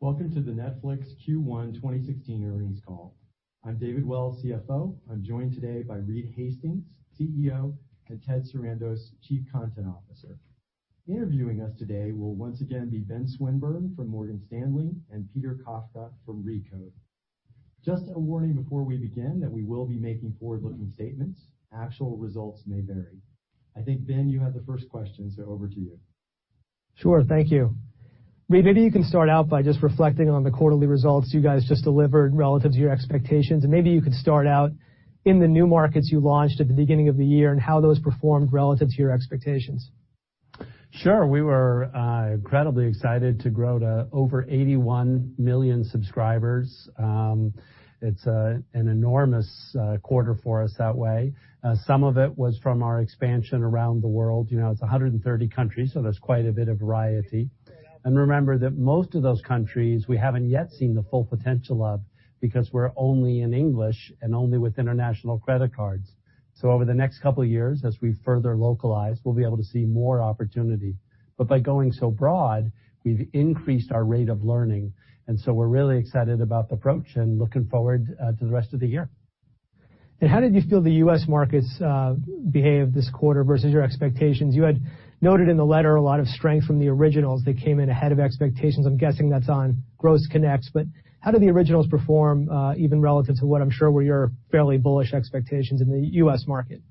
Welcome to the Netflix Q1 2016 earnings call. I'm David Wells, CFO. I'm joined today by Reed Hastings, CEO, and Ted Sarandos, Chief Content Officer. Interviewing us today will once again be Benjamin Swinburne from Morgan Stanley and Peter Kafka from Recode. Just a warning before we begin that we will be making forward-looking statements. Actual results may vary. I think Ben, you had the first question, over to you. Sure. Thank you. Reed, maybe you can start out by just reflecting on the quarterly results you guys just delivered relative to your expectations, and maybe you could start out in the new markets you launched at the beginning of the year and how those performed relative to your expectations. Sure. We were incredibly excited to grow to over 81 million subscribers. It's an enormous quarter for us that way. Some of it was from our expansion around the world. It's 130 countries, there's quite a bit of variety. Remember that most of those countries we haven't yet seen the full potential of because we're only in English and only with international credit cards. Over the next couple of years, as we further localize, we'll be able to see more opportunity. By going so broad, we've increased our rate of learning, we're really excited about the approach and looking forward to the rest of the year. How did you feel the U.S. markets behaved this quarter versus your expectations? You had noted in the letter a lot of strength from the originals that came in ahead of expectations. I'm guessing that's on gross connects, how did the originals perform, even relative to what I'm sure were your fairly bullish expectations in the U.S. market?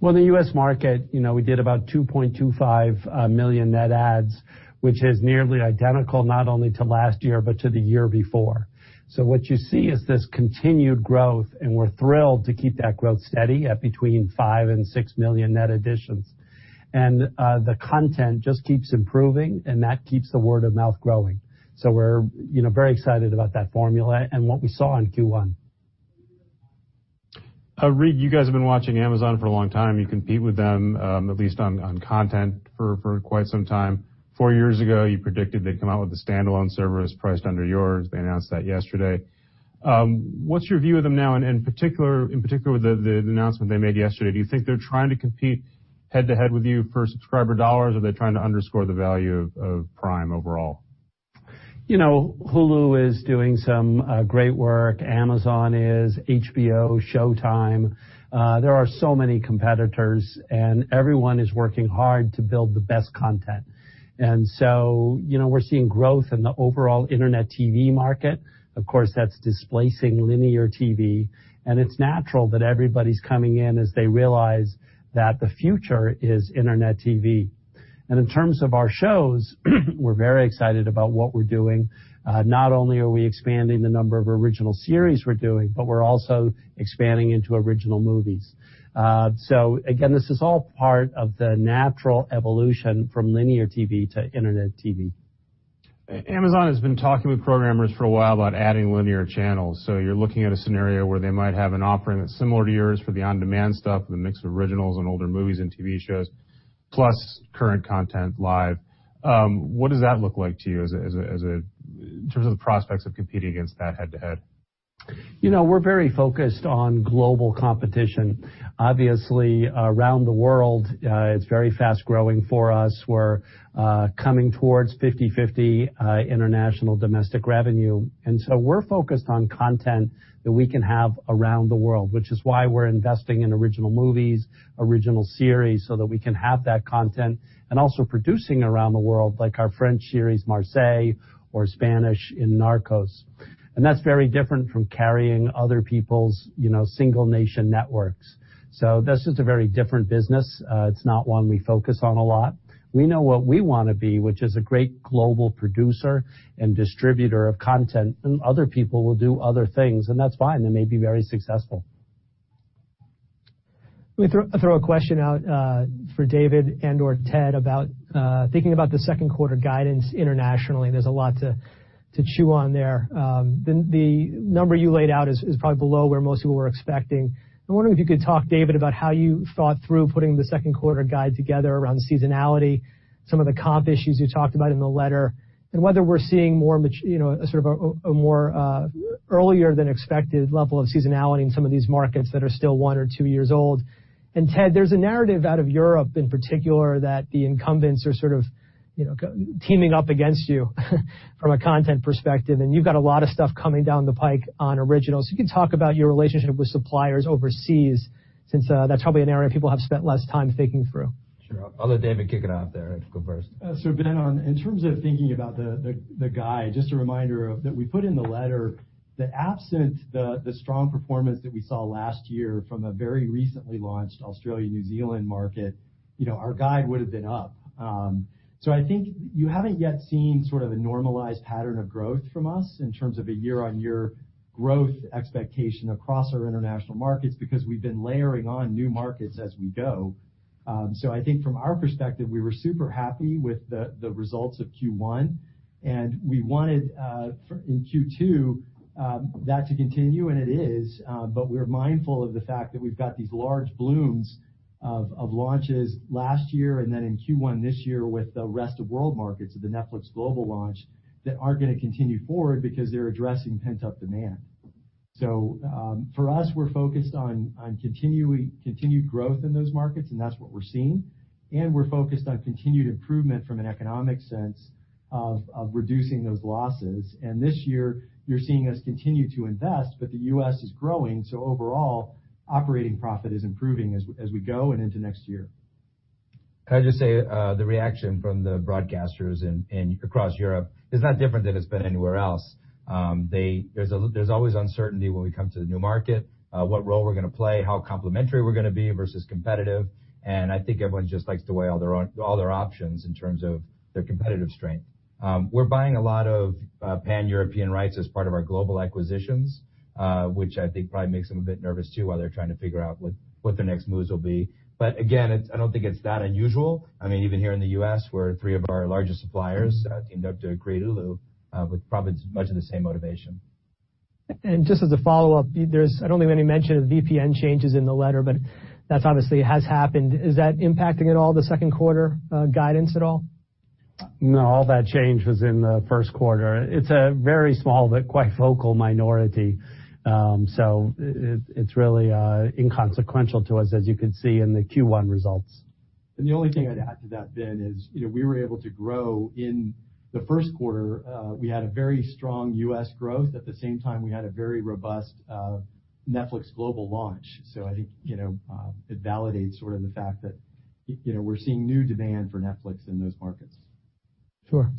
The U.S. market, we did about $2.25 million net adds, which is nearly identical not only to last year, but to the year before. What you see is this continued growth, and we're thrilled to keep that growth steady at between 5 million and 6 million net additions. The content just keeps improving, and that keeps the word of mouth growing. We're very excited about that formula and what we saw in Q1. Reed, you guys have been watching Amazon for a long time. You compete with them, at least on content, for quite some time. 4 years ago, you predicted they'd come out with a standalone service priced under yours. They announced that yesterday. What's your view of them now, in particular with the announcement they made yesterday? Do you think they're trying to compete head-to-head with you for subscriber dollars, or are they trying to underscore the value of Prime overall? Hulu is doing some great work. Amazon, HBO, Showtime. There are so many competitors, and everyone is working hard to build the best content. We're seeing growth in the overall internet TV market. Of course, that's displacing linear TV, and it's natural that everybody's coming in as they realize that the future is internet TV. In terms of our shows, we're very excited about what we're doing. Not only are we expanding the number of Original Series we're doing, but we're also expanding into Original Movies. Again, this is all part of the natural evolution from linear TV to internet TV. Amazon has been talking with programmers for a while about adding linear channels. You're looking at a scenario where they might have an offering that's similar to yours for the on-demand stuff, the mix of Originals and older movies and TV shows, plus current content live. What does that look like to you in terms of the prospects of competing against that head-to-head? We're very focused on global competition. Obviously, around the world, it's very fast-growing for us. We're coming towards 50/50 international-domestic revenue. We're focused on content that we can have around the world, which is why we're investing in original movies, original series, so that we can have that content, and also producing around the world, like our French series, "Marseille," or Spanish in "Narcos." That's very different from carrying other people's single-nation networks. That's just a very different business. It's not one we focus on a lot. We know what we want to be, which is a great global producer and distributor of content, and other people will do other things, and that's fine. They may be very successful. Let me throw a question out for David and/or Ted about thinking about the second quarter guidance internationally. There's a lot to chew on there. The number you laid out is probably below where most people were expecting. I wonder if you could talk, David, about how you thought through putting the second quarter guide together around seasonality, some of the comp issues you talked about in the letter, and whether we're seeing a more earlier than expected level of seasonality in some of these markets that are still one or two years old. Ted, there's a narrative out of Europe in particular that the incumbents are sort of teaming up against you from a content perspective, and you've got a lot of stuff coming down the pike on originals. You can talk about your relationship with suppliers overseas since that's probably an area people have spent less time thinking through. Sure. I'll let David kick it off there and go first. Ben, in terms of thinking about the guide, just a reminder that we put in the letter that absent the strong performance that we saw last year from a very recently launched Australia-New Zealand market, our guide would have been up. I think you haven't yet seen sort of a normalized pattern of growth from us in terms of a year-over-year growth expectation across our international markets because we've been layering on new markets as we go. I think from our perspective, we were super happy with the results of Q1, and we wanted in Q2 that to continue, and it is. We're mindful of the fact that we've got these large blooms of launches last year and then in Q1 this year with the rest-of-world markets of the Netflix global launch that are going to continue forward because they're addressing pent-up demand. For us, we're focused on continued growth in those markets, and that's what we're seeing. We're focused on continued improvement from an economic sense of reducing those losses. This year you're seeing us continue to invest, the U.S. is growing. Overall operating profit is improving as we go and into next year. Can I just say, the reaction from the broadcasters across Europe is not different than it's been anywhere else. There's always uncertainty when we come to the new market, what role we're going to play, how complementary we're going to be versus competitive. I think everyone just likes to weigh all their options in terms of their competitive strength. We're buying a lot of Pan-European rights as part of our global acquisitions, which I think probably makes them a bit nervous too, while they're trying to figure out what their next moves will be. Again, I don't think it's that unusual. Even here in the U.S., where three of our largest suppliers teamed up to create Hulu with probably much of the same motivation. Just as a follow-up, I don't think we mentioned the VPN changes in the letter, that obviously has happened. Is that impacting at all the second quarter guidance at all? No. All that change was in the first quarter. It's a very small but quite vocal minority. It's really inconsequential to us, as you could see in the Q1 results. The only thing I'd add to that, Ben, is we were able to grow in the first quarter. We had a very strong U.S. growth. At the same time, we had a very robust Netflix global launch. I think it validates the fact that we're seeing new demand for Netflix in those markets. Sure.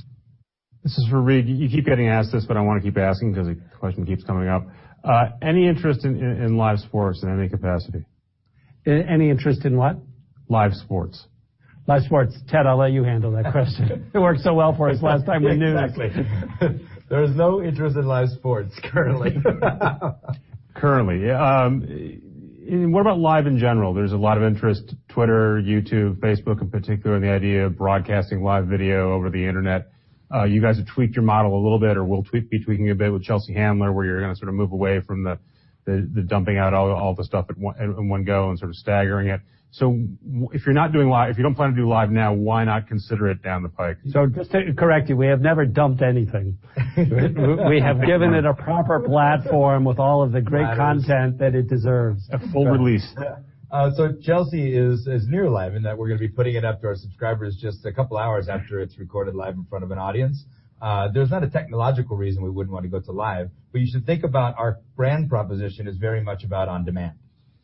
This is for Reed. You keep getting asked this, I want to keep asking because the question keeps coming up. Any interest in live sports in any capacity? Any interest in what? Live sports. Live sports. Ted, I'll let you handle that question. It worked so well for us last time we knew. Exactly. There is no interest in live sports currently. Currently. What about live in general? There's a lot of interest, Twitter, YouTube, Facebook in particular, in the idea of broadcasting live video over the Internet. You guys have tweaked your model a little bit, or will be tweaking a bit with Chelsea Handler, where you're going to move away from the dumping out all the stuff in one go and sort of staggering it. If you don't plan to do live now, why not consider it down the pike? Just to correct you, we have never dumped anything. We have given it a proper platform with all of the great content that it deserves. A full release. Chelsea is near live in that we're going to be putting it up to our subscribers just a couple of hours after it's recorded live in front of an audience. There's not a technological reason we wouldn't want to go to live, but you should think about our brand proposition is very much about on-demand.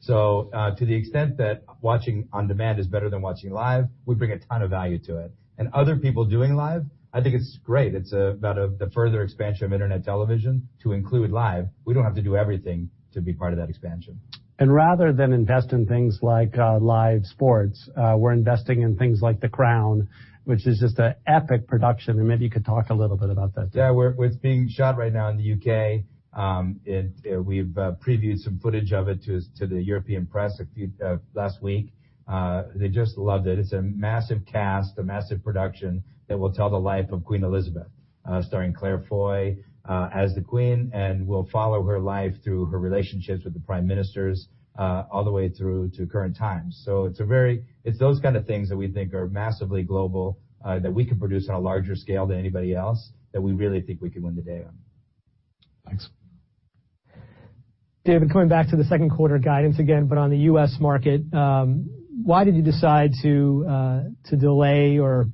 To the extent that watching on-demand is better than watching live, we bring a ton of value to it. Other people doing live, I think it's great. It's about the further expansion of internet television to include live. We don't have to do everything to be part of that expansion. Rather than invest in things like live sports, we're investing in things like "The Crown," which is just an epic production, and maybe you could talk a little bit about that. Well, it's being shot right now in the U.K. We've previewed some footage of it to the European press last week. They just loved it. It's a massive cast, a massive production that will tell the life of Queen Elizabeth, starring Claire Foy as the Queen, and we'll follow her life through her relationships with the prime ministers all the way through to current times. It's those kind of things that we think are massively global, that we can produce on a larger scale than anybody else, that we really think we can win the day on. Thanks. David, coming back to the second quarter guidance again, on the U.S. market, why did you decide to delay or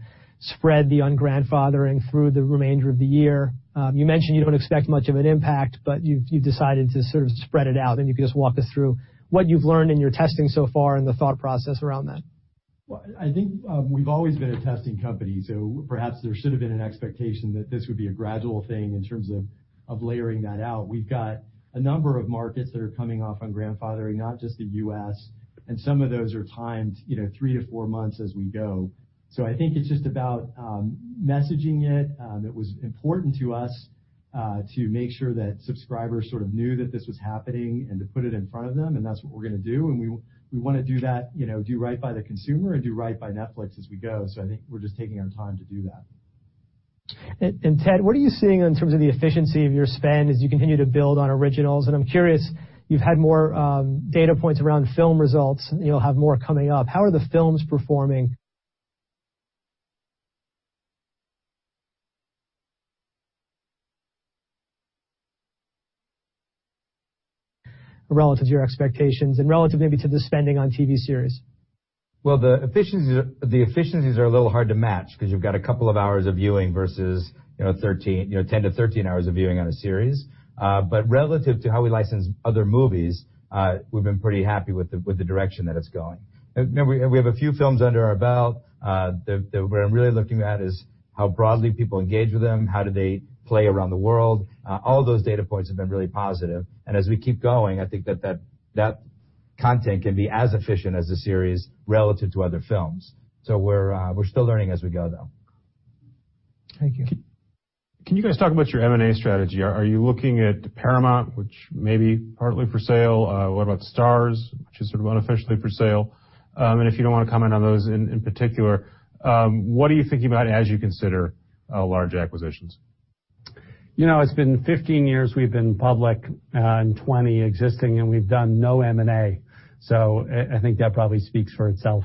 spread the un-grandfathering through the remainder of the year? You mentioned you don't expect much of an impact, you've decided to sort of spread it out, you could just walk us through what you've learned in your testing so far and the thought process around that. Well, I think we've always been a testing company, perhaps there should have been an expectation that this would be a gradual thing in terms of layering that out. We've got a number of markets that are coming off un-grandfathering, not just the U.S., and some of those are timed three to four months as we go. I think it's just about messaging it. It was important to us to make sure that subscribers sort of knew that this was happening and to put it in front of them, that's what we're going to do. We want to do right by the consumer and do right by Netflix as we go. I think we're just taking our time to do that. Ted, what are you seeing in terms of the efficiency of your spend as you continue to build on originals? I'm curious, you've had more data points around film results, and you'll have more coming up. How are the films performing relative to your expectations and relative maybe to the spending on TV series? The efficiencies are a little hard to match because you've got a couple of hours of viewing versus 10 to 13 hours of viewing on a series. Relative to how we license other movies, we've been pretty happy with the direction that it's going. We have a few films under our belt. What I'm really looking at is how broadly people engage with them, how do they play around the world? All those data points have been really positive. As we keep going, I think that content can be as efficient as a series relative to other films. We're still learning as we go, though. Thank you. Can you guys talk about your M&A strategy? Are you looking at Paramount, which may be partly for sale? What about Starz, which is sort of unofficially for sale? If you don't want to comment on those in particular, what are you thinking about as you consider large acquisitions? It's been 15 years we've been public, and 20 existing, and we've done no M&A. I think that probably speaks for itself.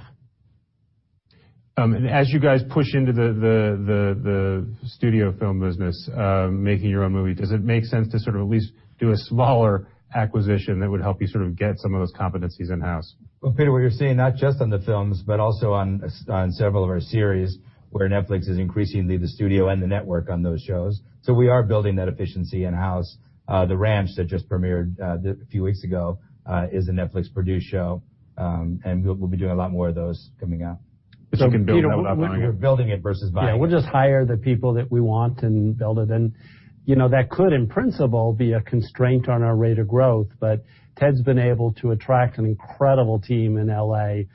As you guys push into the studio film business, making your own movie, does it make sense to at least do a smaller acquisition that would help you get some of those competencies in-house? Well, Peter, what you're seeing not just on the films, but also on several of our series, where Netflix is increasingly the studio and the network on those shows. We are building that efficiency in-house. "The Ranch" that just premiered a few weeks ago is a Netflix-produced show, and we'll be doing a lot more of those coming up. You can build that without buying it? You're building it versus buying it. Yeah. We'll just hire the people that we want and build it in. That could, in principle, be a constraint on our rate of growth, but Ted's been able to attract an incredible team in L.A.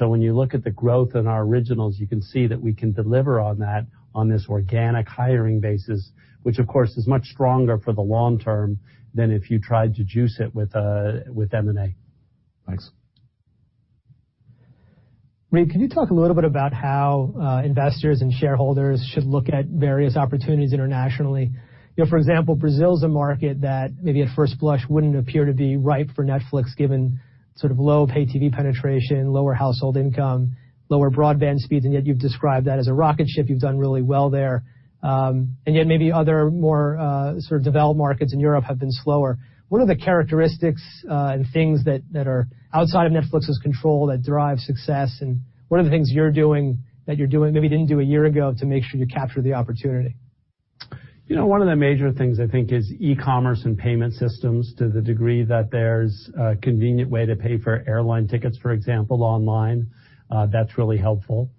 When you look at the growth in our originals, you can see that we can deliver on that on this organic hiring basis, which, of course, is much stronger for the long term than if you tried to juice it with M&A. Thanks. Reed, can you talk a little bit about how investors and shareholders should look at various opportunities internationally? For example, Brazil's a market that maybe at first blush wouldn't appear to be ripe for Netflix given low pay TV penetration, lower household income, lower broadband speeds. You've described that as a rocket ship. You've done really well there. Maybe other more developed markets in Europe have been slower. What are the characteristics and things that are outside of Netflix's control that drive success, and what are the things you're doing that you're doing maybe didn't do a year ago to make sure you capture the opportunity? One of the major things I think is e-commerce and payment systems to the degree that there's a convenient way to pay for airline tickets, for example, online. That's really helpful.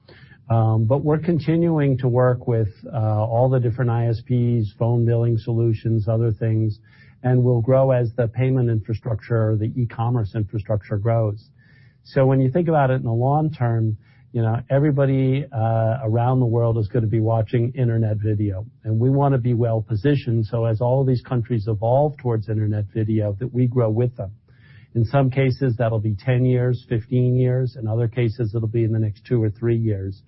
We're continuing to work with all the different ISPs, phone billing solutions, other things, and we'll grow as the payment infrastructure or the e-commerce infrastructure grows. When you think about it in the long term, everybody around the world is going to be watching internet video, and we want to be well-positioned so as all of these countries evolve towards internet video, that we grow with them. In some cases, that'll be 10 years, 15 years. In other cases, it'll be in the next two or three years.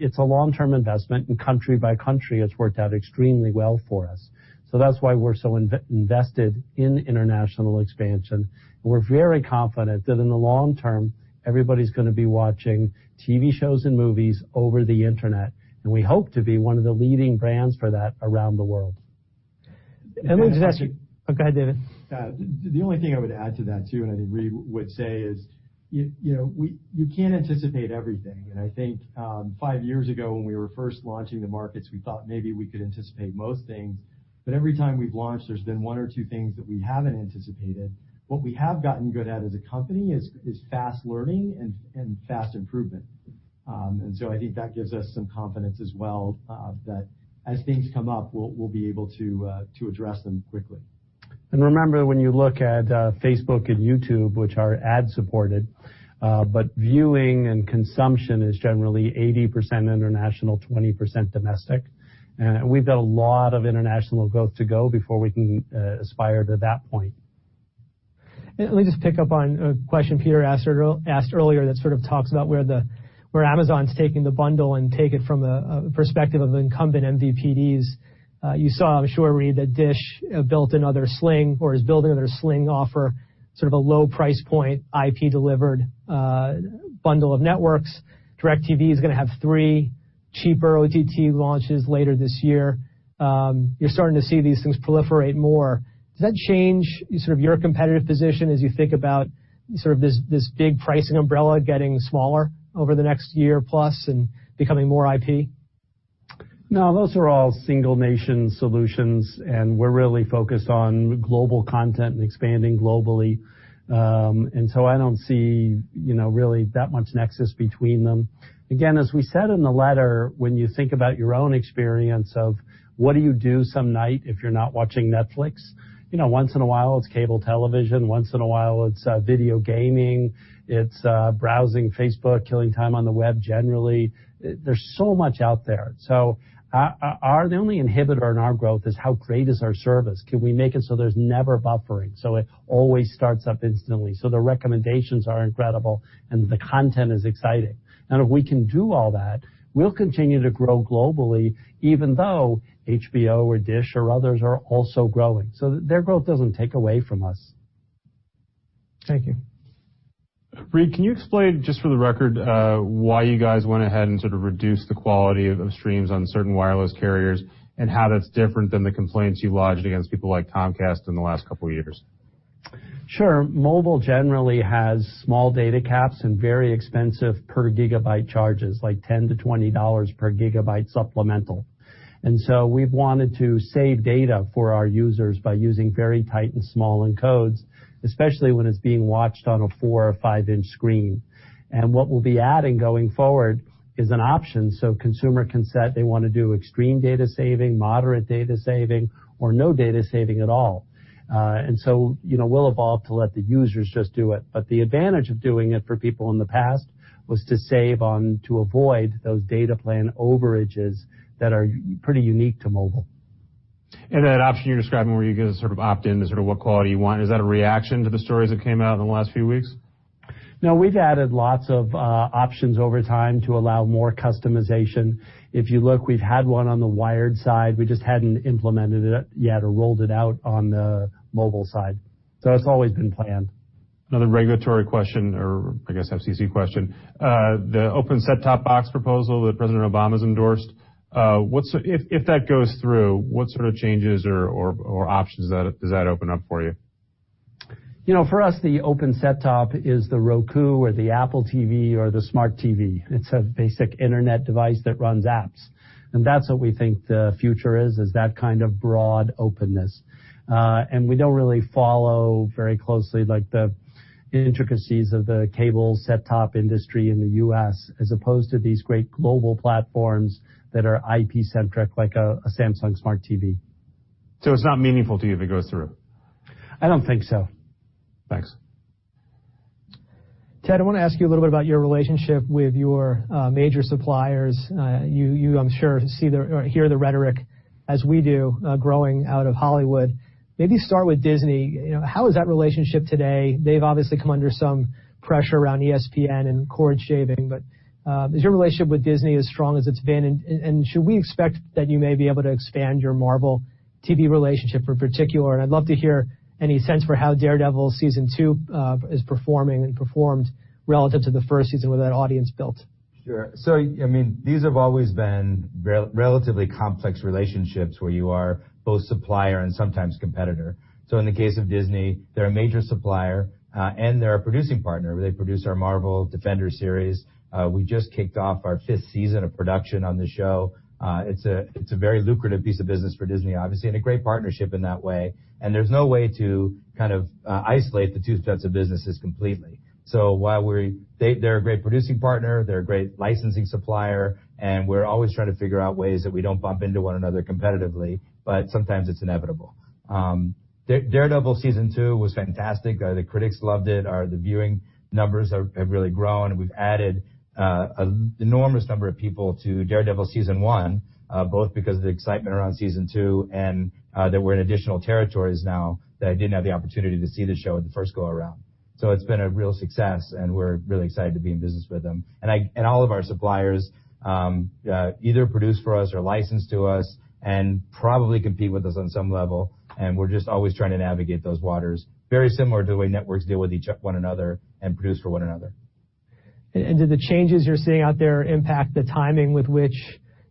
It's a long-term investment, and country by country, it's worked out extremely well for us. That's why we're so invested in international expansion. We're very confident that in the long term, everybody's going to be watching TV shows and movies over the internet, and we hope to be one of the leading brands for that around the world. let me just ask you. Oh, go ahead, David. The only thing I would add to that, too, I think Reed would say is, you can't anticipate everything, I think five years ago when we were first launching the markets, we thought maybe we could anticipate most things. Every time we've launched, there's been one or two things that we haven't anticipated. What we have gotten good at as a company is fast learning and fast improvement. I think that gives us some confidence as well that as things come up, we'll be able to address them quickly. Remember when you look at Facebook and YouTube, which are ad-supported, viewing and consumption is generally 80% international, 20% domestic. We've got a lot of international growth to go before we can aspire to that point. Let me just pick up on a question Peter asked earlier that sort of talks about where Amazon's taking the bundle and take it from a perspective of incumbent MVPDs. You saw, I'm sure, Reed, that Dish built another Sling or is building another Sling offer, sort of a low price point IP-delivered bundle of networks. DirecTV is going to have three cheaper OTT launches later this year. You're starting to see these things proliferate more. Does that change your competitive position as you think about this big pricing umbrella getting smaller over the next year plus and becoming more IP? No, those are all single-nation solutions. We're really focused on global content and expanding globally. I don't see really that much nexus between them. Again, as we said in the letter, when you think about your own experience of what do you do some night if you're not watching Netflix? Once in a while, it's cable television. Once in a while, it's video gaming. It's browsing Facebook, killing time on the web generally. There's so much out there. Our only inhibitor in our growth is how great is our service. Can we make it so there's never buffering, so it always starts up instantly, so the recommendations are incredible, and the content is exciting? If we can do all that, we'll continue to grow globally, even though HBO or Dish or others are also growing. Their growth doesn't take away from us. Thank you. Reed, can you explain just for the record why you guys went ahead and reduced the quality of streams on certain wireless carriers and how that's different than the complaints you lodged against people like Comcast in the last couple of years? Sure. Mobile generally has small data caps and very expensive per gigabyte charges, like $10 to $20 per gigabyte supplemental. We've wanted to save data for our users by using very tight and small encodes, especially when it's being watched on a four or five-inch screen. What we'll be adding going forward is an option so consumer can set they want to do extreme data saving, moderate data saving, or no data saving at all. We'll evolve to let the users just do it. The advantage of doing it for people in the past was to avoid those data plan overages that are pretty unique to mobile. That option you're describing where you can opt in to what quality you want, is that a reaction to the stories that came out in the last few weeks? No, we've added lots of options over time to allow more customization. If you look, we've had one on the wired side. We just hadn't implemented it yet or rolled it out on the mobile side. It's always been planned. Another regulatory question, or I guess FCC question. The open set-top box proposal that President Obama's endorsed, if that goes through, what sort of changes or options does that open up for you? For us, the open set-top is the Roku or the Apple TV or the smart TV. It's a basic internet device that runs apps, that's what we think the future is that kind of broad openness. We don't really follow very closely the intricacies of the cable set-top industry in the U.S. as opposed to these great global platforms that are IP-centric, like a Samsung Smart TV. It's not meaningful to you if it goes through? I don't think so. Thanks. Ted, I want to ask you a little bit about your relationship with your major suppliers. You, I'm sure, hear the rhetoric as we do growing out of Hollywood. Maybe start with Disney. How is that relationship today? They've obviously come under some pressure around ESPN and cord shaving, but should we expect that you may be able to expand your Marvel TV relationship in particular? I'd love to hear any sense for how "Daredevil" Season 2 is performing and performed relative to the first season where that audience built. Sure. These have always been relatively complex relationships where you are both supplier and sometimes competitor. In the case of Disney, they're a major supplier, and they're a producing partner. They produce our Marvel Defender series. We just kicked off our fifth season of production on the show. It's a very lucrative piece of business for Disney, obviously, and a great partnership in that way, and there's no way to kind of isolate the two sets of businesses completely. While they're a great producing partner, they're a great licensing supplier, and we're always trying to figure out ways that we don't bump into one another competitively, but sometimes it's inevitable. "Daredevil" Season 2 was fantastic. The critics loved it. The viewing numbers have really grown, we've added an enormous number of people to "Daredevil" Season 1, both because of the excitement around Season 2 and that we're in additional territories now that didn't have the opportunity to see the show in the first go-around. It's been a real success, we're really excited to be in business with them. All of our suppliers either produce for us or license to us and probably compete with us on some level, we're just always trying to navigate those waters, very similar to the way networks deal with one another and produce for one another. Do the changes you're seeing out there impact the timing with which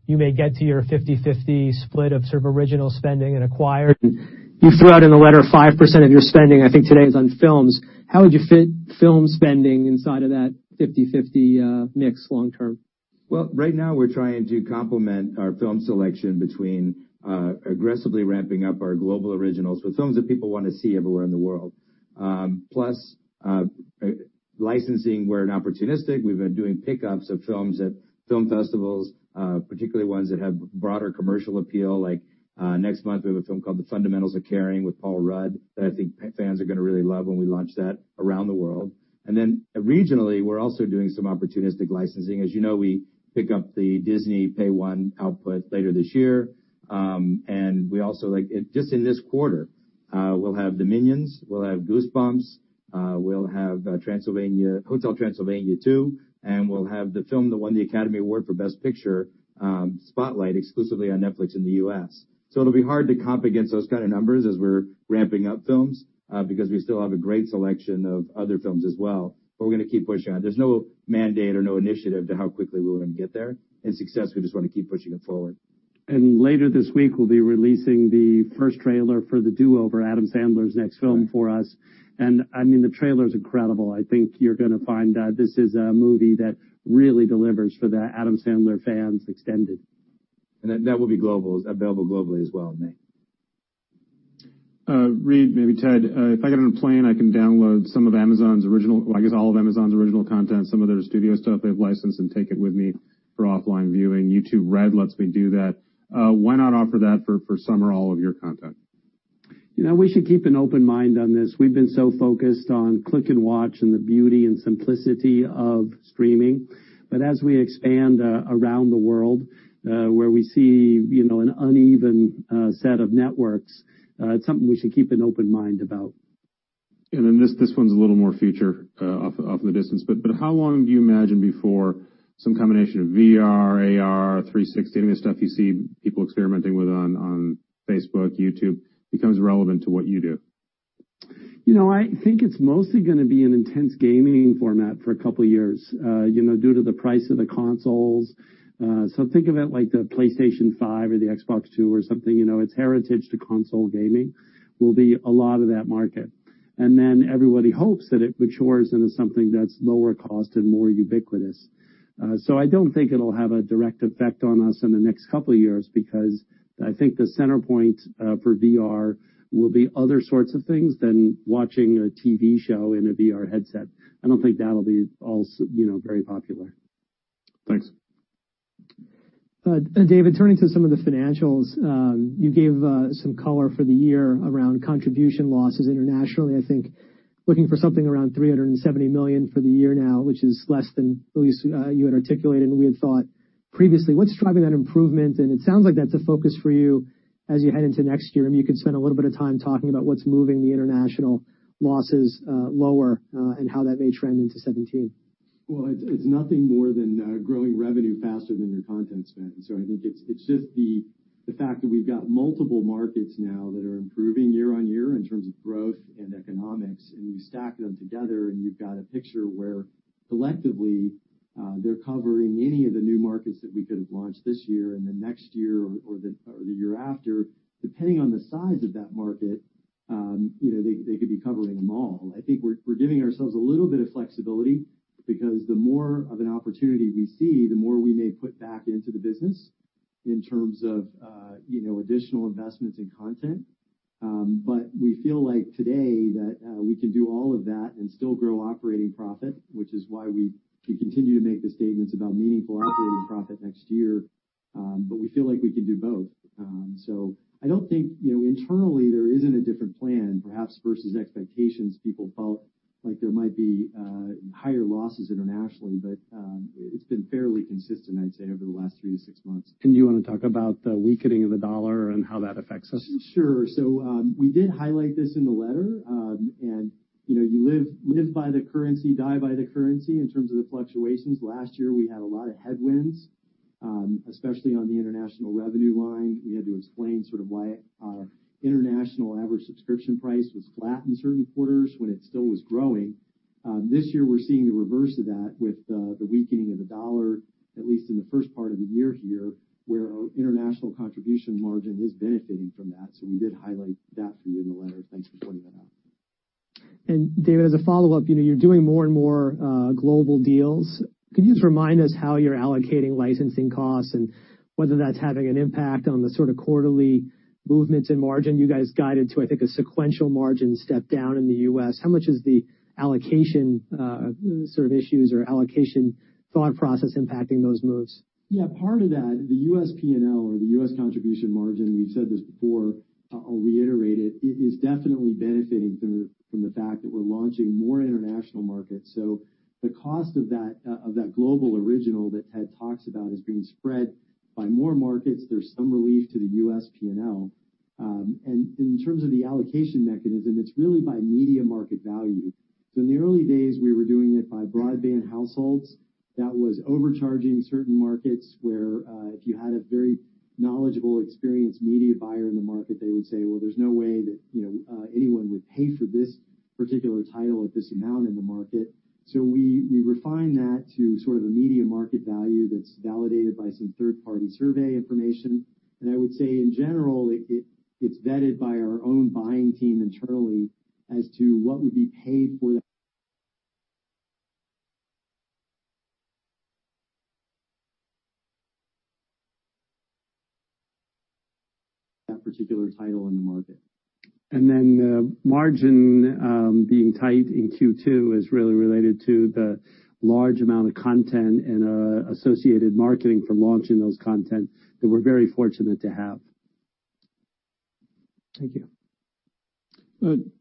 you may get to your 50/50 split of sort of original spending and acquired? You threw out in the letter 5% of your spending, I think today is on films. How would you fit film spending inside of that 50/50 mix long term? Well, right now, we're trying to complement our film selection between aggressively ramping up our global originals with films that people want to see everywhere in the world. Plus, licensing, we're an opportunistic. We've been doing pickups of films at film festivals, particularly ones that have broader commercial appeal, like next month we have a film called "The Fundamentals of Caring" with Paul Rudd that I think fans are going to really love when we launch that around the world. Then regionally, we're also doing some opportunistic licensing. As you know, we pick up the Disney Pay One output later this year. Just in this quarter, we'll have the "Minions," we'll have "Goosebumps," we'll have "Hotel Transylvania 2," and we'll have the film that won the Academy Award for Best Picture, "Spotlight," exclusively on Netflix in the U.S. It'll be hard to comp against those kind of numbers as we're ramping up films because we still have a great selection of other films as well. We're going to keep pushing on. There's no mandate or no initiative to how quickly we want to get there. In success, we just want to keep pushing it forward. Later this week, we'll be releasing the first trailer for "The Do-Over," Adam Sandler's next film for us. The trailer's incredible. I think you're going to find that this is a movie that really delivers for the Adam Sandler fans extended. That will be available globally as well, Nate. Reed, maybe Ted. If I get on a plane, I can download all of Amazon's original content, some of their studio stuff they've licensed, and take it with me for offline viewing. YouTube Red lets me do that. Why not offer that for some or all of your content? We should keep an open mind on this. We've been so focused on click and watch and the beauty and simplicity of streaming. As we expand around the world where we see an uneven set of networks, it's something we should keep an open mind about. This one's a little more future off in the distance, but how long do you imagine before some combination of VR, AR, 360, any of the stuff you see people experimenting with on Facebook, YouTube, becomes relevant to what you do? I think it's mostly going to be an intense gaming format for a couple of years due to the price of the consoles. Think of it like the PlayStation 5 or the Xbox Two or something. Its heritage to console gaming will be a lot of that market. Everybody hopes that it matures into something that's lower cost and more ubiquitous. I don't think it'll have a direct effect on us in the next couple of years because I think the center point for VR will be other sorts of things than watching a TV show in a VR headset. I don't think that'll be very popular. Thanks. David, turning to some of the financials. You gave some color for the year around contribution losses internationally. I think looking for something around $370 million for the year now, which is less than at least you had articulated and we had thought previously. What's driving that improvement? It sounds like that's a focus for you as you head into next year. Maybe you could spend a little bit of time talking about what's moving the international losses lower and how that may trend into 2017. It's nothing more than growing revenue faster than your content spend. I think it's just the fact that we've got multiple markets now that are improving year-on-year in terms of growth and economics, and you stack them together, and you've got a picture where collectively, they're covering any of the new markets that we could have launched this year and then next year or the year after. Depending on the size of that market, they could be covering them all. I think we're giving ourselves a little bit of flexibility because the more of an opportunity we see, the more we may put back into the business in terms of additional investments in content. We feel like today that we can do all of that and still grow operating profit, which is why we continue to make the statements about meaningful operating profit next year. We feel like we can do both. I don't think internally there isn't a different plan, perhaps versus expectations. People felt like there might be higher losses internationally, but it's been fairly consistent, I'd say, over the last three to six months. Do you want to talk about the weakening of the U.S. dollar and how that affects us? Sure. We did highlight this in the letter. You live by the currency, die by the currency in terms of the fluctuations. Last year, we had a lot of headwinds, especially on the international revenue line. We had to explain sort of why our international average subscription price was flat in certain quarters when it still was growing. This year, we're seeing the reverse of that with the weakening of the U.S. dollar, at least in the first part of the year here, where our international contribution margin is benefiting from that. We did highlight that for you in the letter. Thanks for pointing that out. David, as a follow-up, you're doing more and more global deals. Could you just remind us how you're allocating licensing costs and whether that's having an impact on the sort of quarterly movements in margin? You guys guided to, I think, a sequential margin step down in the U.S. How much is the allocation sort of issues or allocation thought process impacting those moves? Part of that, the U.S. P&L or the U.S. contribution margin, we've said this before, I'll reiterate it, is definitely benefiting from the fact that we're launching more international markets. The cost of that global original that Ted talks about is being spread by more markets. There's some relief to the U.S. P&L. In terms of the allocation mechanism, it's really by media market value. In the early days, we were doing it by broadband households. That was overcharging certain markets where if you had a very knowledgeable, experienced media buyer in the market, they would say, "Well, there's no way that anyone would pay for this particular title at this amount in the market." We refine that to sort of a media market value that's validated by some third-party survey information. I would say, in general, it gets vetted by our own buying team internally as to what would be paid for that particular title in the market. The margin being tight in Q2 is really related to the large amount of content and associated marketing for launching those content that we're very fortunate to have. Thank you.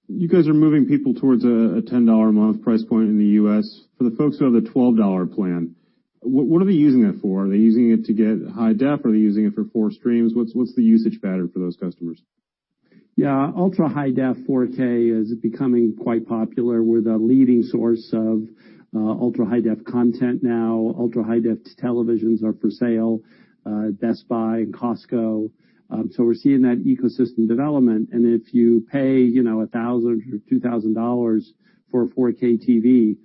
You guys are moving people towards a $10 a month price point in the U.S. For the folks who have the $12 plan, what are they using that for? Are they using it to get high def, or are they using it for four streams? What's the usage pattern for those customers? Ultra high-def 4K is becoming quite popular. We're the leading source of ultra high-def content now. Ultra high-def televisions are for sale at Best Buy and Costco. We're seeing that ecosystem development, and if you pay $1,000 or $2,000 for a 4K TV,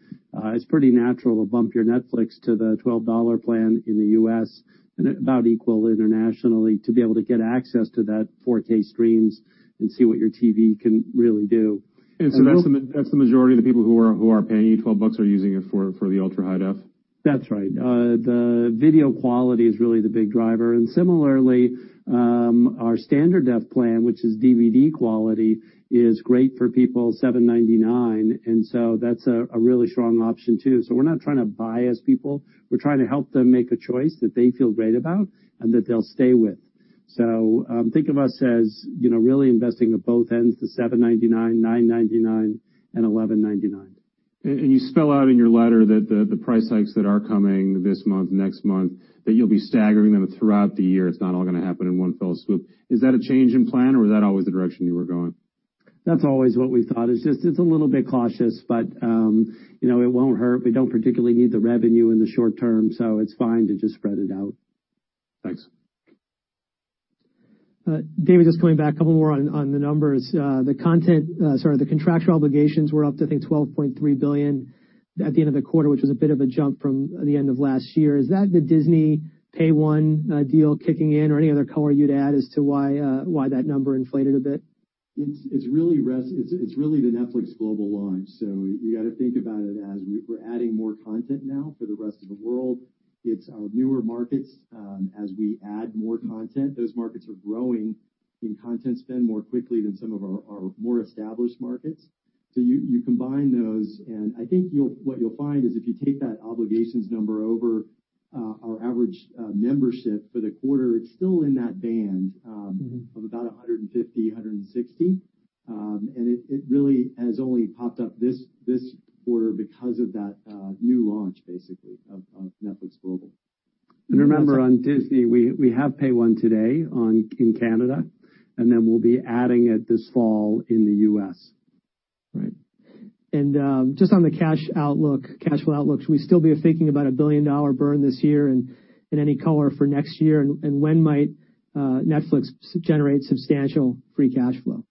it's pretty natural to bump your Netflix to the $12 plan in the U.S. and about equal internationally to be able to get access to that 4K streams and see what your TV can really do. That's the majority of the people who are paying you $12 are using it for the ultra high-def? That's right. The video quality is really the big driver. Similarly, our standard-def plan, which is DVD quality, is great for people, $7.99, and so that's a really strong option too. We're not trying to bias people. We're trying to help them make a choice that they feel great about and that they'll stay with. Think of us as really investing at both ends, the $7.99, $9.99, and $11.99. You spell out in your letter that the price hikes that are coming this month, next month, that you'll be staggering them throughout the year. It's not all going to happen in one fell swoop. Is that a change in plan, or was that always the direction you were going? That's always what we thought. It's just it's a little bit cautious, but it won't hurt. We don't particularly need the revenue in the short term, it's fine to just spread it out. Thanks. David, just coming back a couple more on the numbers. The contractual obligations were up to, I think, $12.3 billion at the end of the quarter, which was a bit of a jump from the end of last year. Is that the Disney Pay One deal kicking in or any other color you'd add as to why that number inflated a bit? It's really the Netflix global launch. You got to think about it as we're adding more content now for the rest of the world. It's our newer markets. As we add more content, those markets are growing in content spend more quickly than some of our more established markets. You combine those, and I think what you'll find is if you take that obligations number over our average membership for the quarter, it's still in that band of about $150, $160. It really has only popped up this quarter because of that new launch, basically, of Netflix global. Remember, on Disney, we have Pay-One today in Canada, then we'll be adding it this fall in the U.S. Right. Just on the cash flow outlook, should we still be thinking about a billion-dollar burn this year and any color for next year? When might Netflix generate substantial free cash flow?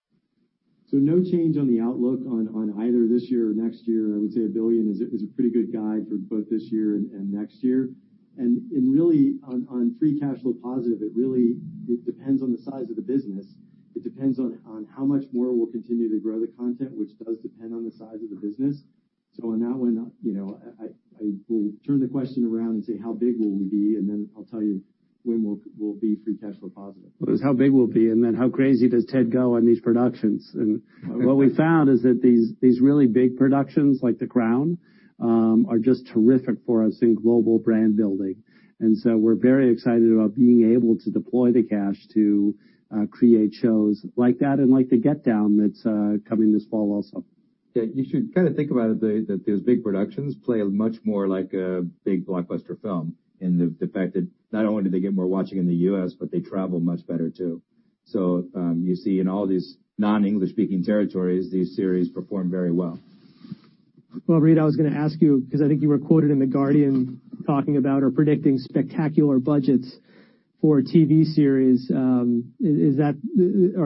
No change on the outlook on either this year or next year. I would say a billion is a pretty good guide for both this year and next year. Really, on free cash flow positive, it really depends on the size of the business. It depends on how much more we'll continue to grow the content, which does depend on the size of the business. On that one, I will turn the question around and say, how big will we be? Then I'll tell you when we'll be free cash flow positive. Well, it's how big we'll be, then how crazy does Ted go on these productions? What we found is that these really big productions, like "The Crown," are just terrific for us in global brand building. So we're very excited about being able to deploy the cash to create shows like that and like "The Get Down" that's coming this fall also. Yeah, you should think about it that those big productions play much more like a big blockbuster film in the fact that not only do they get more watching in the U.S., they travel much better, too. You see in all these non-English-speaking territories, these series perform very well. Well, Reed, I was going to ask you, because I think you were quoted in The Guardian talking about or predicting spectacular budgets for a TV series. Are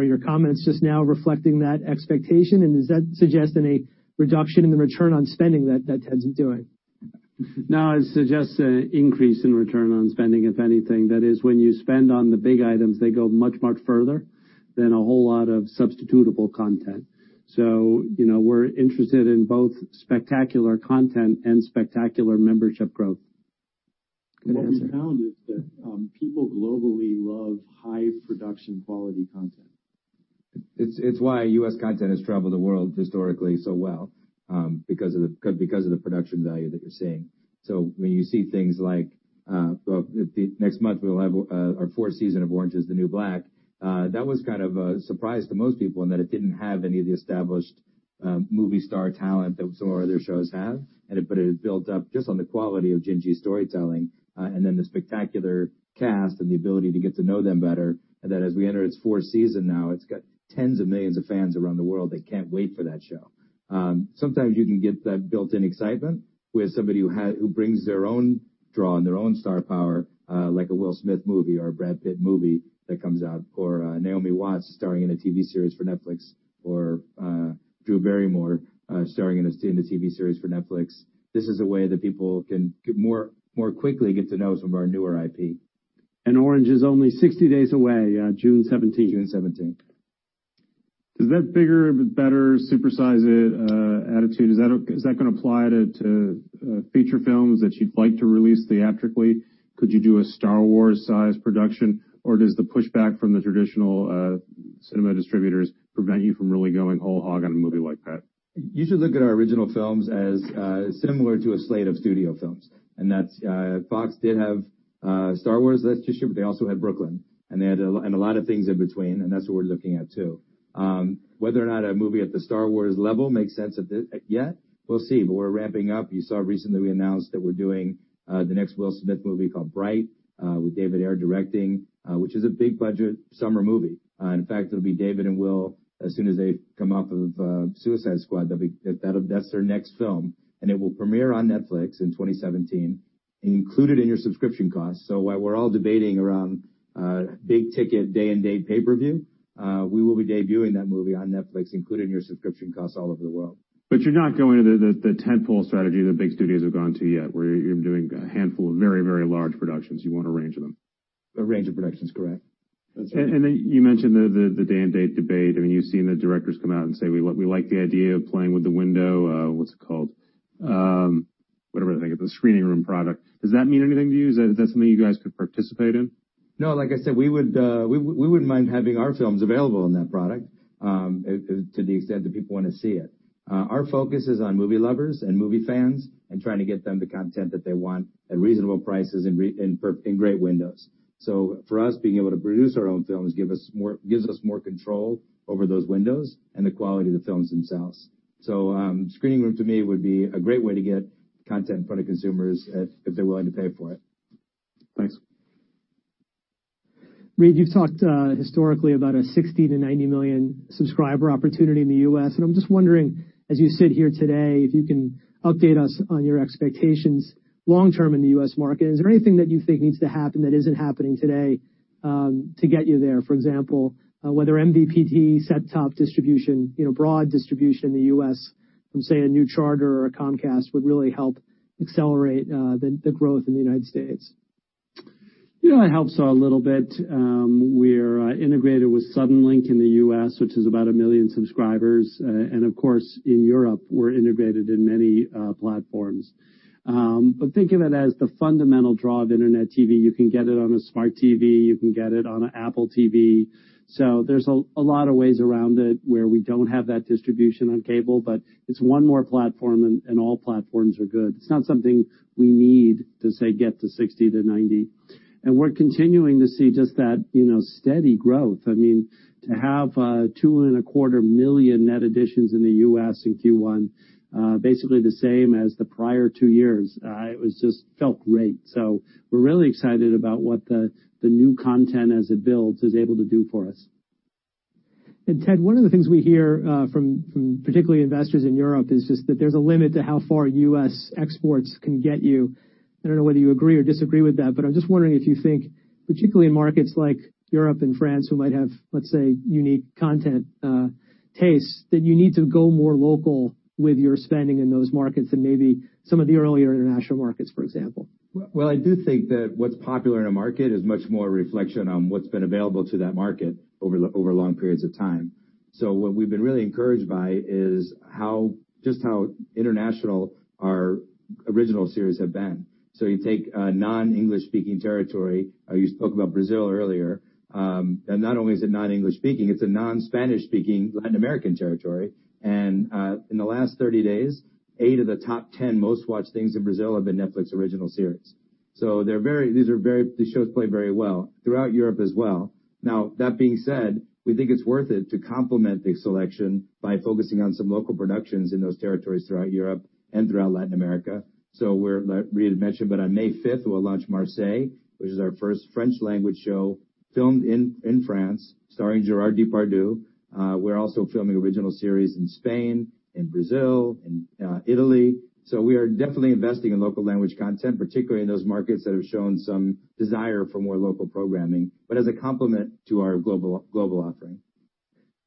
your comments just now reflecting that expectation? Does that suggest any reduction in the return on spending that Ted's doing? No, it suggests an increase in return on spending, if anything. That is, when you spend on the big items, they go much, much further than a whole lot of substitutable content. We're interested in both spectacular content and spectacular membership growth. What we found is that people globally love high-production, quality content. It's why U.S. content has traveled the world historically so well, because of the production value that you're seeing. When you see things like next month, we'll have our fourth season of "Orange Is the New Black," that was a surprise to most people in that it didn't have any of the established movie star talent that some of our other shows have, but it built up just on the quality of Jenji's storytelling, and then the spectacular cast and the ability to get to know them better, and that as we enter its fourth season now, it's got tens of millions of fans around the world that can't wait for that show. Sometimes you can get that built-in excitement with somebody who brings their own draw and their own star power, like a Will Smith movie or a Brad Pitt movie that comes out, or Naomi Watts starring in a TV series for Netflix, or Drew Barrymore starring in a TV series for Netflix. This is a way that people can more quickly get to know some of our newer IP. Orange is only 60 days away on June 17th. June 17th. Does that bigger, better, supersize it attitude, is that going to apply to feature films that you'd like to release theatrically? Could you do a Star Wars-sized production, or does the pushback from the traditional cinema distributors prevent you from really going whole hog on a movie like that? You should look at our original films as similar to a slate of studio films. That's Fox did have Star Wars last year, they also had Brooklyn, a lot of things in between, that's what we're looking at, too. Whether or not a movie at the Star Wars level makes sense yet, we'll see. We're ramping up. You saw recently we announced that we're doing the next Will Smith movie called Bright with David Ayer directing, which is a big-budget summer movie. In fact, it'll be David and Will as soon as they come off of Suicide Squad. That's their next film. It will premiere on Netflix in 2017, included in your subscription cost. While we're all debating around big-ticket day-and-date pay-per-view, we will be debuting that movie on Netflix included in your subscription costs all over the world. You're not going to the tentpole strategy the big studios have gone to yet, where you're doing a handful of very large productions. You want a range of them. A range of productions, correct. That's right. You mentioned the day-and-date debate. You've seen the directors come out and say, "We like the idea of playing with the window," what's it called? Whatever they think of the Screening Room product. Does that mean anything to you? Is that something you guys could participate in? No, like I said, we wouldn't mind having our films available on that product, to the extent that people want to see it. Our focus is on movie lovers and movie fans and trying to get them the content that they want at reasonable prices and in great windows. For us, being able to produce our own films gives us more control over those windows and the quality of the films themselves. Screening Room to me would be a great way to get content in front of consumers if they're willing to pay for it. Thanks. Reed, you've talked historically about a 60 to 90 million subscriber opportunity in the U.S., and I'm just wondering, as you sit here today, if you can update us on your expectations long term in the U.S. market. Is there anything that you think needs to happen that isn't happening today to get you there? For example, whether MVPD, set-top distribution, broad distribution in the U.S. from, say, a new Charter or a Comcast would really help accelerate the growth in the United States. It helps a little bit. We're integrated with Suddenlink in the U.S., which is about 1 million subscribers. Of course, in Europe, we're integrated in many platforms. Think of it as the fundamental draw of Internet TV. You can get it on a smart TV, you can get it on an Apple TV. There's a lot of ways around it where we don't have that distribution on cable, but it's one more platform, and all platforms are good. It's not something we need to, say, get to 60 to 90. We're continuing to see just that steady growth. To have 2.25 million net additions in the U.S. in Q1, basically the same as the prior two years, it just felt great. We're really excited about what the new content as it builds is able to do for us. Ted, one of the things we hear from particularly investors in Europe is just that there's a limit to how far U.S. exports can get you. I don't know whether you agree or disagree with that, but I'm just wondering if you think, particularly in markets like Europe and France, who might have, let's say, unique content tastes, that you need to go more local with your spending in those markets than maybe some of the earlier international markets, for example. I do think that what's popular in a market is much more a reflection on what's been available to that market over long periods of time. What we've been really encouraged by is just how international our Netflix original series have been. You take a non-English speaking territory, you spoke about Brazil earlier. Not only is it non-English speaking, it's a non-Spanish speaking Latin American territory. In the last 30 days, eight of the top 10 most watched things in Brazil have been Netflix original series. These shows play very well throughout Europe as well. That being said, we think it's worth it to complement the selection by focusing on some local productions in those territories throughout Europe and throughout Latin America. Reed mentioned, but on May 5th, we'll launch "Marseille," which is our first French language show filmed in France, starring Gérard Depardieu. We're also filming Netflix original series in Spain, in Brazil, in Italy. We are definitely investing in local language content, particularly in those markets that have shown some desire for more local programming, but as a complement to our global offering.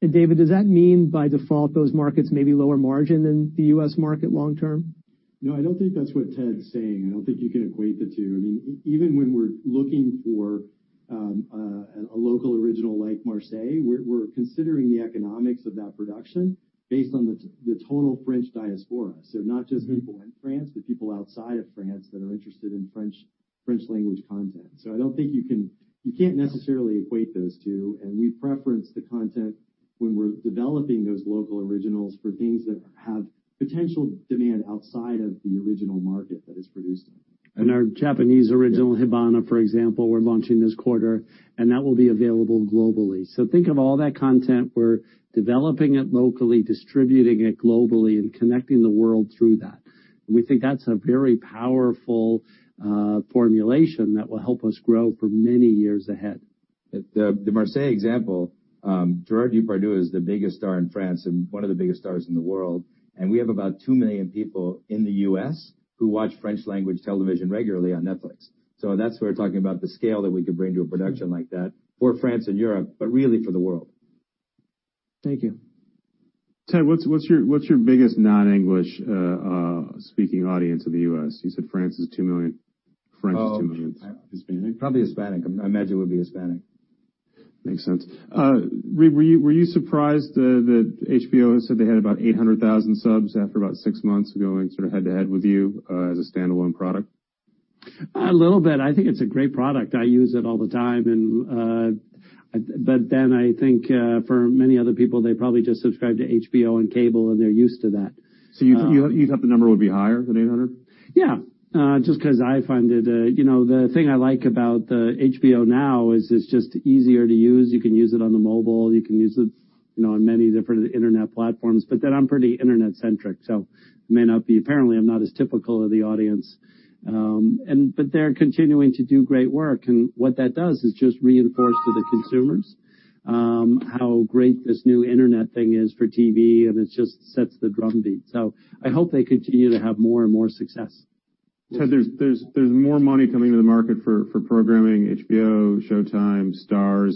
David, does that mean by default those markets may be lower margin than the U.S. market long term? No, I don't think that's what Ted's saying. I don't think you can equate the two. Even when we're looking for a local original like Marseille, we're considering the economics of that production based on the total French diaspora. Not just people in France, but people outside of France that are interested in French language content. I don't think you can necessarily equate those two, and we preference the content when we're developing those local originals for things that have potential demand outside of the original market that it's produced in. Our Japanese original, "Hibana," for example, we're launching this quarter, and that will be available globally. Think of all that content. We're developing it locally, distributing it globally, and connecting the world through that. We think that's a very powerful formulation that will help us grow for many years ahead. The Marseille example, Gérard Depardieu is the biggest star in France and one of the biggest stars in the world, and we have about 2 million people in the U.S. who watch French language television regularly on Netflix. That's where we're talking about the scale that we could bring to a production like that for France and Europe, but really for the world. Thank you. Ted, what's your biggest non-English speaking audience in the U.S.? You said France is 2 million. Probably Hispanic. I imagine it would be Hispanic. Makes sense. Reed, were you surprised that HBO has said they had about 800,000 subs after about six months ago and sort of head to head with you as a standalone product? A little bit. I think it's a great product. I use it all the time. I think for many other people, they probably just subscribe to HBO on cable, and they're used to that. You thought the number would be higher than 800? Yeah. The thing I like about the HBO Now is it's just easier to use. You can use it on the mobile. You can use it on many different internet platforms. I'm pretty internet-centric, so apparently I'm not as typical of the audience. They're continuing to do great work, and what that does is just reinforce to the consumers how great this new internet thing is for TV, and it just sets the drumbeat. I hope they continue to have more and more success. Ted, there's more money coming into the market for programming, HBO, Showtime, Starz,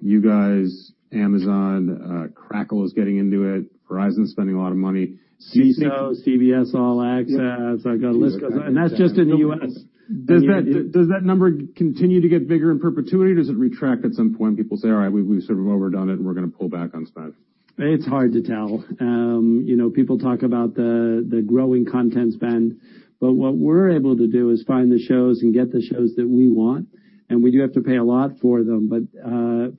you guys, Amazon. Crackle is getting into it. Verizon's spending a lot of money. CBS All Access. I've got a list. That's just in the U.S. Does that number continue to get bigger in perpetuity, or does it retract at some point and people say, "All right, we've sort of overdone it and we're going to pull back on spend? It's hard to tell. People talk about the growing content spend, but what we're able to do is find the shows and get the shows that we want, and we do have to pay a lot for them.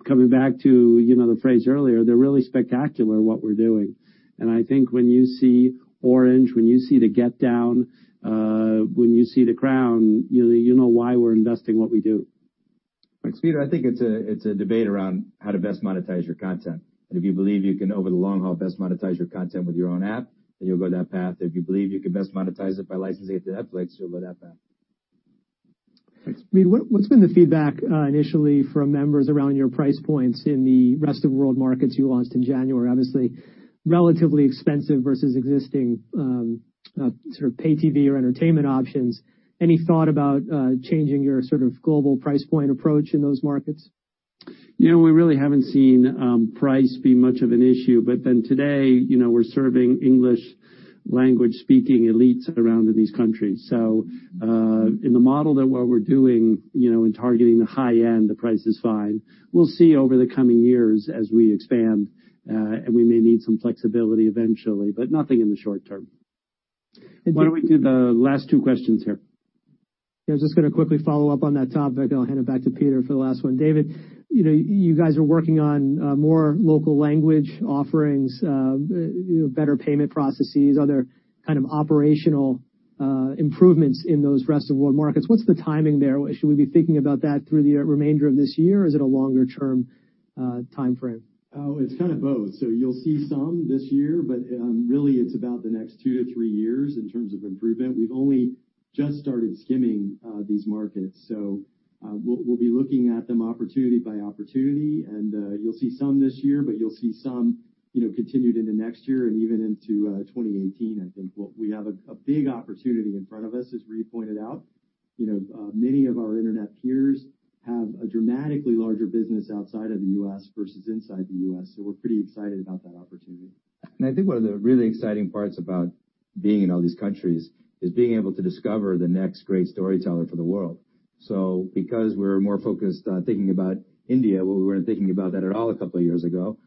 Coming back to the phrase earlier, they're really spectacular what we're doing. I think when you see "Orange," when you see "The Get Down," when you see "The Crown," you know why we're investing what we do. Thanks, Peter. I think it's a debate around how to best monetize your content. If you believe you can over the long haul best monetize your content with your own app, then you'll go that path. If you believe you can best monetize it by licensing it to Netflix, you'll go that path. Thanks, Reed. What's been the feedback initially from members around your price points in the rest of world markets you launched in January? Obviously, relatively expensive versus existing sort of pay TV or entertainment options. Any thought about changing your sort of global price point approach in those markets? We really haven't seen price be much of an issue. Today, we're serving English language speaking elites around in these countries. In the model that what we're doing in targeting the high end, the price is fine. We'll see over the coming years as we expand, and we may need some flexibility eventually, but nothing in the short term. Why don't we do the last two questions here? I was just going to quickly follow up on that topic. I'll hand it back to Peter for the last one. David, you guys are working on more local language offerings, better payment processes, other kind of operational improvements in those rest of world markets. What's the timing there? Should we be thinking about that through the remainder of this year, or is it a longer-term timeframe? It's kind of both. You'll see some this year. Really, it's about the next two to three years in terms of improvement. We've only just started skimming these markets. We'll be looking at them opportunity by opportunity. You'll see some this year. You'll see some continued into next year and even into 2018, I think. We have a big opportunity in front of us, as Reed pointed out. Many of our internet peers have a dramatically larger business outside of the U.S. versus inside the U.S., we're pretty excited about that opportunity. I think one of the really exciting parts about being in all these countries is being able to discover the next great storyteller for the world. Because we're more focused on thinking about India, where we weren't thinking about that at all a couple of years ago,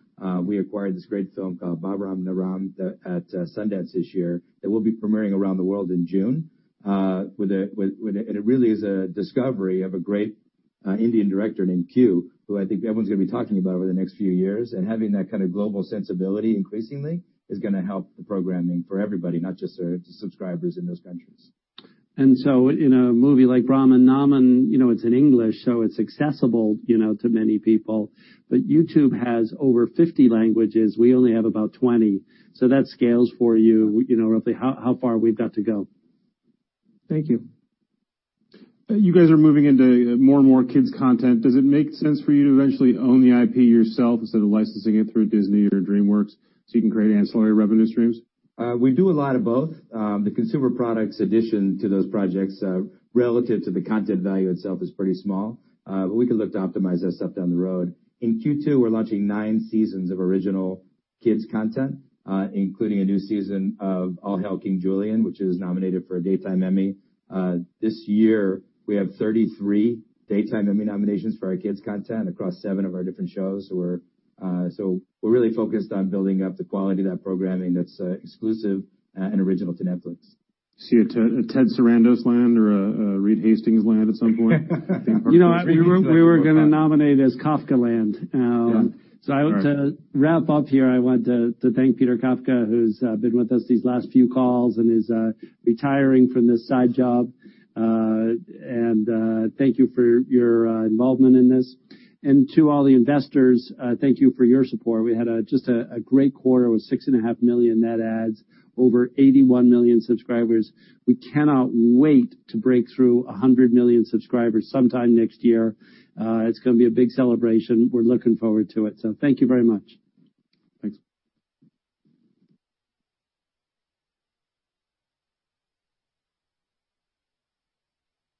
we acquired this great film called Brahman Naman at Sundance this year that will be premiering around the world in June. It really is a discovery of a great Indian director named Q, who I think everyone's going to be talking about over the next few years. Having that kind of global sensibility increasingly is going to help the programming for everybody, not just the subscribers in those countries. In a movie like "Brahman Naman," it's in English, so it's accessible to many people. YouTube has over 50 languages. We only have about 20. That scales for you roughly how far we've got to go. Thank you. You guys are moving into more and more kids content. Does it make sense for you to eventually own the IP yourself instead of licensing it through Disney or DreamWorks so you can create ancillary revenue streams? We do a lot of both. The consumer products addition to those projects relative to the content value itself is pretty small, but we can look to optimize that stuff down the road. In Q2, we're launching nine seasons of original kids content, including a new season of "All Hail King Julien," which is nominated for a Daytime Emmy. This year, we have 33 Daytime Emmy nominations for our kids' content across seven of our different shows. We're really focused on building up the quality of that programming that's exclusive and original to Netflix. See a Ted Sarandos land or a Reed Hastings land at some point? We were going to nominate as Kafka Land. Yeah. All right. To wrap up here, I want to thank Peter Kafka, who's been with us these last few calls and is retiring from this side job. Thank you for your involvement in this. To all the investors, thank you for your support. We had just a great quarter with 6.5 million net adds, over 81 million subscribers. We cannot wait to break through 100 million subscribers sometime next year. It's going to be a big celebration. We're looking forward to it. Thank you very much. Thanks.